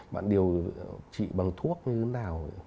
bạn điều trị bằng thuốc như thế nào